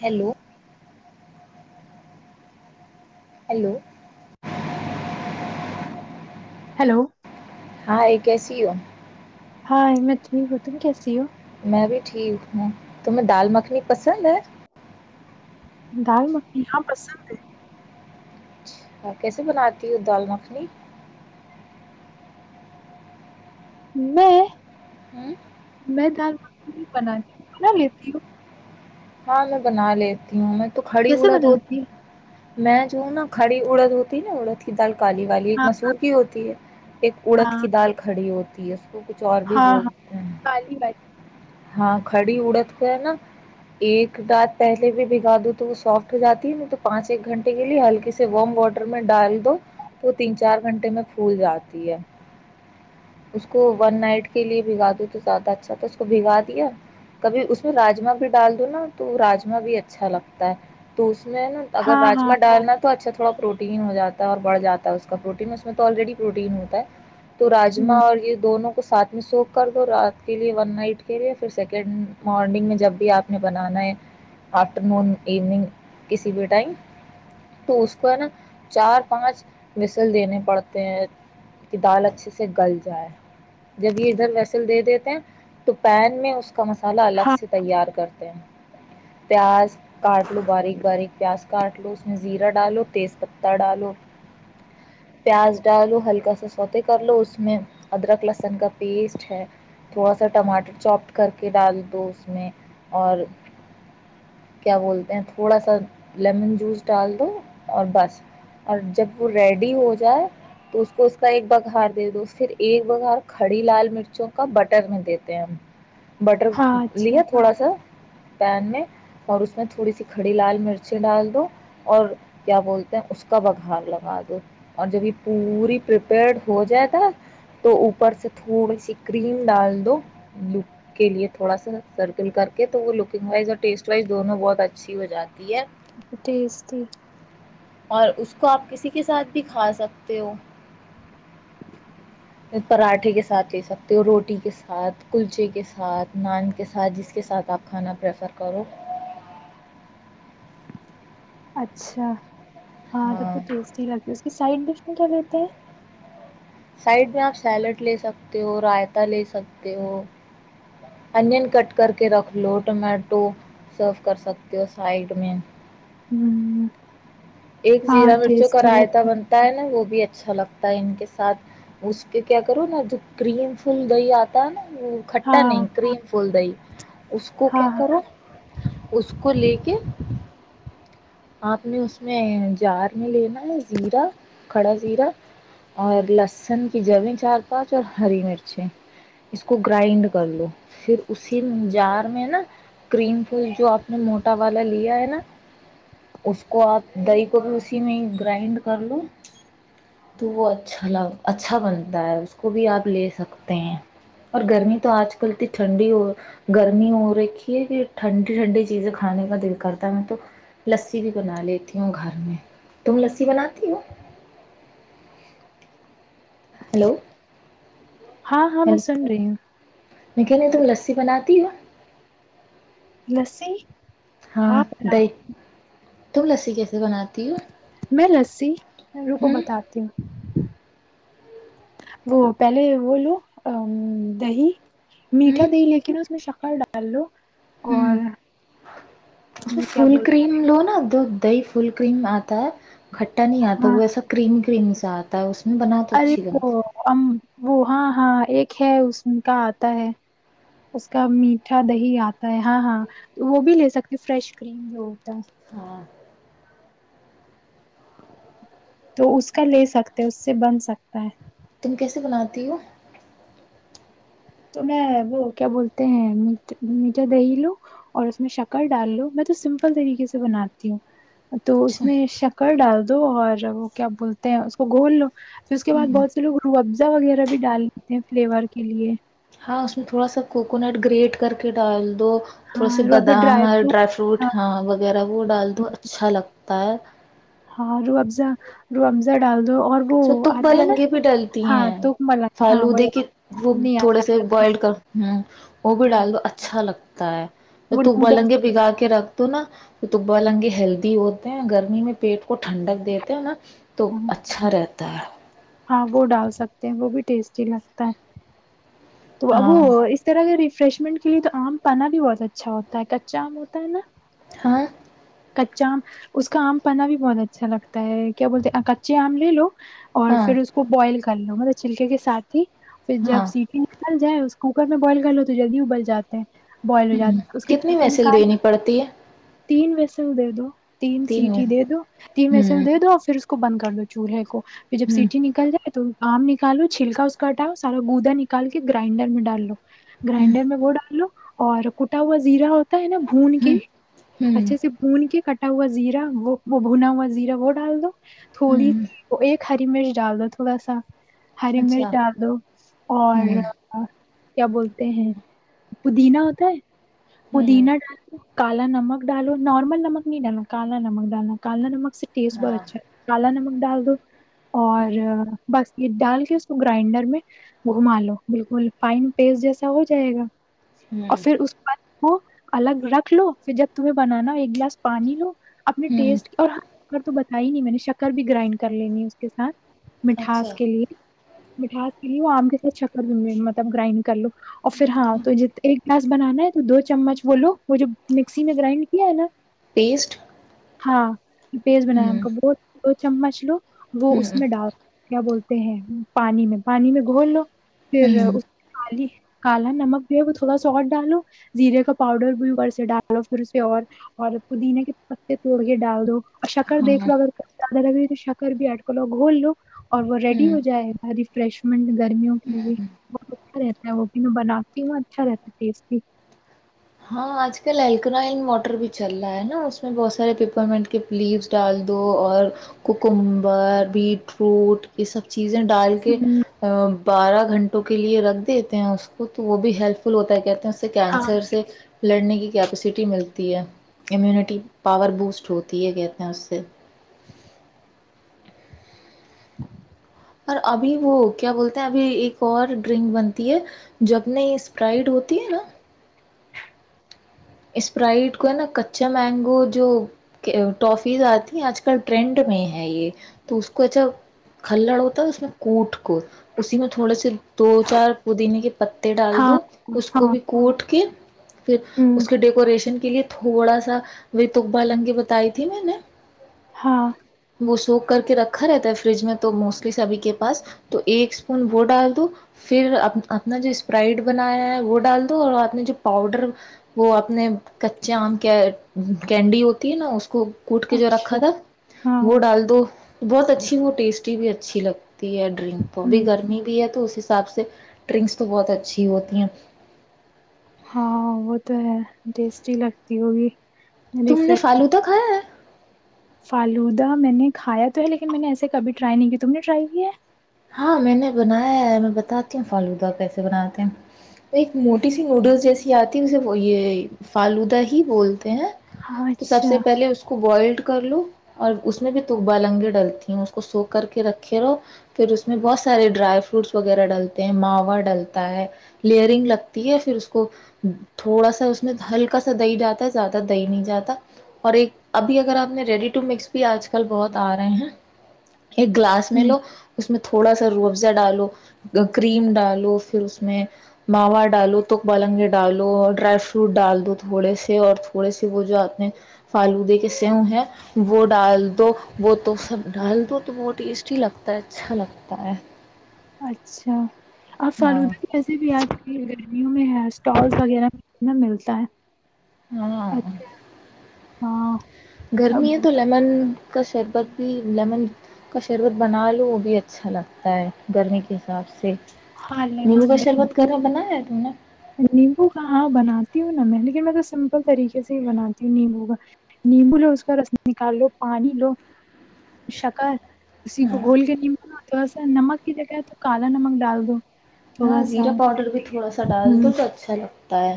Hello hello hello ہاں یہ کیسی ہو ہاں میں ٹھیک ہوں تم کیسی ہو میں بھی ٹھیک ہوں تمہیں دال مکھنی پسند ہے دال مکھنی ہاں پسند ہے کیسے بناتی ہوں دال مکھنی م ہوں میں دال بنی بنا لیتی ہوں ہاں میں بنا لیتی ہوں میں تو کڑی اڑد ہوتی میں جو ہوں نا کھڑی اڑد ہوتی ہے نا اڑد کی دال پالی والی ایک مسلہح کی ہوتی ہے ایک اڑد کی دال کھڑی ہوتی تی ایف وہ کچھ اور بھی بولتے ہیں ہاں کڑی اڑت کا نا ایک دانات پہلے بھی بھگا دو تو وہ سافٹ ہو جاتی ہے ن تو پانچ ایک گھنٹے کے لیے ہلکے سے وارم واٹر میں ڈال دو وہ تین چار گھنٹے میں بھول جاتی ہے اس کو ون نائٹ کے لیے بھگا د تو زیادہ اچھا تھا اس کو بھگا دیا کبھی اس میں راجما بھی ڈال تو نا تو راجما بھی اچھا لگتا ہے تو میں نا اگر رجما ڈالنا تو اچھا تھوڑا پروٹین ہو جاتا ہے اور بڑھ جاتا ہے اس کا پروٹین اس میں تو آلریڈی پروٹین ہوتا ہے تو راجما اور یہ دونوں [unintelligible] ساتھ میں سوکھ کر دو رات کے لیے ون نائٹ کے لیے پھر سیکنڈ مارننگ میں جب بھی آپ [unintelligible] بنانا ہے آفٹر نون ایوننگ کسی بھی ٹائم تو اس کو ہے نا چار پانچ وسل دینے پڑتے ہیں کہ دال اچھے سے گل جائے [unintelligible] جب یہ ادھر ویسل دے دیتے ہیں [unintelligible] طپین میں اس [unintelligible] کا مسالہ الگ سے تیار کرتا [unintelligible] پیاز [inaudible] کاٹ لو باریک باریک پیاز [unintelligible] کاٹ لو اس میں زیرا ڈالو تیز پتتا ڈالو پیاز ڈالو ہلکا سا سوتے کر لو اس میں ادرک لہسن کا پیسٹ ہے تھوڑا سا ٹماٹر چوپٹ کر کے ڈال دو اس میں اور کیا بولتے ہیں تھوڑا سا لیمن جوس ڈال دو اور بس اور جب وہ ریڈی ہو جائے [unintelligible] تو اس کو اس کا ایک بگار دے دو پھر ایک بگار کھڑی لال مرچوں کا بٹر میں دیتے ہیں ہم بٹر لیا تھوڑا سا [unintelligible] پین میں اور اس میں تھوڑی سی کھڑی لال مرچیں ڈال دو اور کیا بولتے ہیں اس کا بگھاار لگا دو اور جب یہ پوری پریپیئرڈ ہو جاتا تو اوپر سے تھوڑی سی کریم ڈال دو لپ کے لیے تھوڑا سا سرکل کر [unintelligible] تو وہ لکنگ وائز اور ٹیسٹ وائز دونوں بہت اچھی ہو جاتی ہے [unintelligible] ٹیسٹی [unintelligible] اور اس کو آپ کسی کے ساتھ بھی کھا سکتے ہو پراٹھے کے ساتھ لے سکتے ہو روٹی کے ساتھ کلچے کے ساتھ نان کے ساتھ جس کے ساتھ [unintelligible] سب کھانا پرریفر کرو [unintelligible] اچھا [unintelligible] ہاں تب تو ٹیسٹی لگتی ہے اس کی سائڈ ڈش میں کیا لیتی [unintelligible] ت [inaudible] سائڈ میں آپ سیلڈ لے سکتے ہو رائتا لے سکتے ہو [unintelligible] انین کٹ کر کے رکھ لو ٹومیٹو سرو کر سکتے ہو سائڈ میں [unintelligible] ہوں [unintelligible] ایک زیرا مرچوں کا رائےتا بنتا ہے نا وہ بھی [unintelligible] بھی اچھا لگتا ہے ان کے ساتھ اس پہ کیا کرو نا جو کریم فل دہی آتا ہے نا [unintelligible] وہ کھٹا نہیں کریم فول د ہی [unintelligible] [inaudible] اس کو کیا کرا [unintelligible] اس کو لے کے [unintelligible] آپ نے اس میں جار میں لینا ہے زیرا کھڑا زیرا اور لسن کی جیں چار پانچ اور ہری مرچیں اس کو گرائنڈ کر لو پھر اسی جار میں نا کریم ف جو آپ نے موٹا والا لیا ہے نا [unintelligible] اس کو آپ دہی کو بھی اسی میں گرائنڈ کر لو تو وہ اچھا ل اچھا بنتا ہے اس کو بھی آپ لے سکتے ہیں اور گرمی تو آج کل اتنی ٹھنڈی ہو گرمی ہو رکھی ہے کہ ٹھنڈی ٹھنڈی چیزیں کھانے کا دل کرتا ہے میں تو [unintelligible] لسی بھی بنا لیتی ہوں گھر میں تم لسی بناتی ہو [unintelligible] ہلولو میں کہ ن تم لسی بناتی ہو [unintelligible] لس ہاں ب [unintelligible] تو ل س کے [unintelligible] میں لسی رو کوو بتاتی ہوں [unintelligible] وہ پہلے وہ لو ا دہی [unintelligible] میٹھا دے ہےیکنا اس میں شک ک ڈالو [unintelligible] ہ اس میں وہ کیا فل بولتے کریم لو نا دو [unintelligible] دی فل کریم آتا ہے [unintelligible] کٹ نہیں آ ہاں تو اب کریم کریم [unintelligible] زاتتاہ اس [unintelligible] ارے اچھی بنتی۔ وہ وہ ہاں ہاں ایک اس کا آتا ہے اس کا میٹھا دہی آتا ہے ہاں ہاں وہ بھی لے سکتے فریش کریم جو ہوتا ہے ہاں تو اس کا لے سکتے اس سے بن سکتا ہے تم کیسے بناتی ہو تو میں وہ کیا بولتے ہیں میا میٹھا دہی لو اور اس میں شکر ڈال لو میں تو سمپل طریقے سے بناتی ہوں تو اس اچھا میں شکر ڈال دو اور وہ کیا بولتے ہیں اس کو گول لو [unintelligible] پھر اس کے بع بہت سے لو روح ابزا وغیرہ بھی ڈال لیتے ہیں فلیور کے لیے [unintelligible] ہاں اس میں تھوڑا سا کوکونٹ گریٹ کر کے ڈال تو تھوڑا س بادام ڈرائی فروٹ ہاں وغیرہ وہ ڈال دو اچھا لگتا [unintelligible] ت [unintelligible] ہاں روح ابز روح ابزہ ڈال دو اور وہ س تک ب آتا ہے نا لنگی بھی ڈلتی ہاں ہیں تو مل ہاں وہ فالودے کے وہ نہیں تھوڑے آتا سے ہے تو بوائل کر ہ وہ بھی ڈال دو اچھا لگتا [unintelligible] تا ہے [unintelligible] وہ تو لنگے بگا کے رکھ تو ناتبا لنگے ہیلدی ہوتے ہیں گرمی میں پیٹ کو ٹھنڈک دیتے ہیں نا تو اچھا رہتا کتار ہاں وہ ڈال سکتے ہیں وہ بھی ٹیسٹی لگتا ہے تو اب ہاں وہ اس طرح کے فریشمنٹ کے لیے تو آم پانا بھی بہت اچھا ہوتا ہے کچا آم ہوتا ہے نا ہاں کچا آم اس کا آم پناا بھی بہت اچھا لگتا ہے کیا بولتے ہیں کچے آم لے لو اور ہاں پھر اس کو بوائل کر کر لو مطلب چلکے کے سات ہی پھر جب ہاں سیٹھی ال جائے اس کوکر میں بوائل کر لو تو جلدی ابل جا ہے اس کے کتنی چھلکے محسل نکال دینی پڑتی ہے تین چل دو تین سیٹیھی دے دو تین ایس ایل ہ دے دو اور پھر کو بند کر دو چولہے کو پھر جب ہ سیٹی نکل جائے تو آم نکالو چھلکا اس کا ہٹاؤ سارا گوودا نکال کے گرائنڈر میں ڈال لو ہ گرائنڈر میں وہ ڈال لو اور کوٹا ہوا زیرا ہوتا ہے نا بھون کے ہ ہ اچھے سے کے کٹا ہوا زیرا وہ وہ بھنا ہوا زیرا وہ ڈال دو ہ تھوڑی ایک ہری مرچ ڈال دو تھوڑا سا ہری مرچ اچھا ڈال دو ہ اور ہ کیا بولتے ہیں پودینہ ہوتا ہے مدینہ ال نمک ڈالو نارمل نمک نہیںا نا کال نہ نمک د نا کال نہ نمک اس سے ٹیس بہت ہاں اچھا ہے کالا نمر ڈال دو اور بس یہ ڈال کے اس کو گرائنڈر میں گھما لو بالکل فائن پیسٹ جیسا ہو جائے گا ہ اور ہ پھر اس کے بعد کو الگ رکھ لو جب تمہیں بنانا ایک گلاس پانی لو اپنے ہوں ٹیسٹ اور اگر تو بچ [unintelligible] کھ ہی نہیں میں نے شکر بھی گرائنڈ کر لینی اس کے سھ مٹھاس اچھا کے لیے مٹھاس کے لیے وہ آم کا چکر بھی مطلب گرائنڈ کر لو افر ہاں تو ج ایک پلاس بنانا ہے تو دو چمچ بولو وہ جو مکسی میں گرائنڈ یہ ہے نا [unintelligible] پیسٹ [unintelligible] ہاں پیز بنا ہم ہوں کا بہت وہ چمچ لو وہ اس ہوں میں ڈال کیا بولتے ہیں پانی میں پانی میں گھول لو پھر ہوں اسالی [unintelligible] کالا نمک بھییا ہے وہ تھوڑا سالٹ ڈالو زیرے کا پاؤڈر بھی اور سے ڈالو پھر اس پی اور پودیین کے پتے توڑ کے ڈال دو اشا کر ہاں دیکھ وغیرہ کرتا لگ شکر بھی اٹک لوگ گول لوگ اور وہ ریڈی ہو ہوں جائے ہے بارف فریشمنٹ گرمیوں کے بہت اچھا رہتا ہے وہ بھی میں بناتی ہوں اچھا رہتا ہے ٹیسٹی ہاں آج کل الکرائن ماٹر بھی چل رہا ہے نا اس میں بہت سارے پیپر مینٹ کے لیوس ڈال دو اور کوکمبر بیٹ روٹ یہ سب چیز چیزیں ڈال کے ہوں بارہ گھنٹوں کے لیے رکھ دیتے ہیں اس کو تو وہ بھی ہیلپ فل ہوتا ہے کہتے ہیں سے ہاں کینسر سے لڑنے کی کیپیسٹی ملتی ہے امیونٹی پاور بوسٹ ہوتی ہے کہتے ہیں اس سے اور ابھی وہ کیا بولتے ہیں ابھی ایک اور ڈرنک بنتی ہے جب نہیں اسپرائڈ ہوتی ہے نا اسپرائٹ کو ہے نا کچا مینگو جو ٹافیز آتی ہیں آج کل ٹرینڈ میں ہے یہ تو اس کو ایچھا کھلڑ ہوتا ہے اس میں کوٹ کو اسی میں تھوڑا سے دو چار پودینے کے پتے ڈال ہاں دو اس کو ہاں بھی کوٹ کے پھر ہوں اس کے ڈیکوریشن کے لیے تھوڑا سا رتکب لنگی بتائی تھی میں نے ہاں وہ سو کر کے رکھا رہتا ہے فریج میں تو موسٹلی سبھی کے پاس تو ایک اسپون وہ ڈال دو پھر اپنا جو اسپرائڈ بنایا ہے وہ ڈال دو اور آپ نے جو پاؤڈر وہ اپنے کچے آم کے کینڈی ہوتی ہے نا اس کو کوٹ کے جو رکھا اچھا تھا ہاں وہ ڈال دو بہت اچھی وہ اور ٹیسٹی بھی اچھی لگتی تی ہے ڈرنک ہم، بھی گرمی بھی ہے تو حساب سے ڈرنکس تو بہت اچھی ہوتی ہیں ہاں وہ تو ہے ٹیسٹی لگتی ہوگی تم نے فالو تو کھایا ہے فالودا میں نے کھایا تو ہے لیکن میں نے ایسے کبھی ٹرائی نہیں کیا تم نے ٹرائی کی ہے ہاں میں نے بنایا ہے میں بتاتی ہوں فالودا کیسے بناتے ہیں ایک موٹی سی نوڈلس جیسی آتی ہے اسے یہ فالودہ ہی بول ہیں ہاں تو سب اچھا سے پہلے اس کو بوائلڈ کر لو اور اس میں بھی تک ب لنگے ڈلتی ہیں اس کو سو کر کے رکھے رہو پھر اس میں بہت سارے ڈرائی فروٹس وغیرہ ڈلتے ہیں ماوا ڈلتا ہے لیئرنگ لگتی ہے پھر اس کو تھوڑا سا اس میں ہلکا سا دہی جاتا ہے زیادہ دہی نہیں جاتا اور ایک ابھی اگر آپ نے ریڈی ٹو مکس بھی آج کل بہت آ رہے ہیں ایک گلاس م ہوں لو اس میں تھوڑا سا رو افزہ ڈالو کریم ڈالو پھر اس میں ماوا ڈالو تک بالنگے ڈالو اور ڈرائی فروٹ ڈال دو تھوڑے سے اور تھوڑے سے وہ جو آپ نے فالودے کے سو ہے وہ ڈال دو وہ تو سب ڈال دو تو وہ ٹیس اچی لگتا ہے سالب [unintelligible] اچھا اب ہاں فالودہ کییسے بھی آج میں ہے [unintelligible] اسٹالس وغیرہ کتنا ملتا ہے ہاں اچھا ہاں اب گرمی ہے تو لیمن کا شربت بھی لیمن کا شربت بنا لو بھی اچھا لگتا ہے گرمی کے حساب سے ہاں نیلوگا لیمن شربت گھر بنایا ہے تم نے نیمبو کا ہاں بناتی ہوں نا میں لیکن میں تو سمپل طریقے سے ہی بناتی ہوں نیمبو کا نیمبو لو اس کا رس نکال لو پانی لو شکر اسی کو ہاں گھول کے ن تو ایسا نمک کی جگہ ہے تو کالا نمک ڈال دو ہاں تھوڑا سا زیرا پاؤڈر بھی تھوڑا سا ڈال تو ہوں تو اچھا لگتا ہے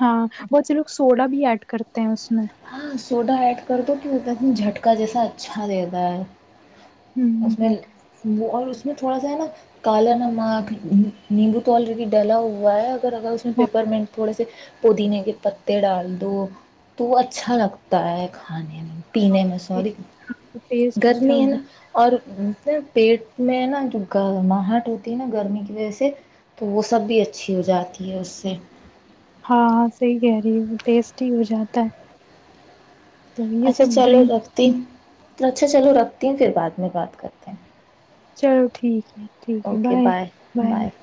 ہاں بہت سے لوگ سوڈا بھی ایڈ کرتے ہیں اس میں ہاں سوڈا ایڈ کر دو ت ا جھٹکا جیسا اچھا دیتا ہے ہوں اس میں وہ اور اس میں تھوڑا سا ہے نا کالا نمک نیمبو تو آالر کی ڈلا ہوا ہے اور اگر اس میں ہاں پیپر میںینٹ تھوڑے سے پودینے کے پتے ڈال دو تو اچھا لگتا ہے کھانے میں پینے میں سوری ٹیسٹ اچھا گرمی ہو ہے نا جاتا اور پیٹ میں نا جو گماہٹ ہوتی ہے نا گرمی کی وجہ سے تو وہ سب بھی اچھی ہو جاتی ہے اس سے ہاں صحی کہ وہ ٹیسٹی ہو جاتا ہے تو یہ اچھا سب چلو ڈرنک رکھتی ہ تو اچھا چلو رکھتی ہیں پھر بعد میں بات کرتے ہیں چلو ٹھیک ہے ٹھیک ہے بائے بائے بائے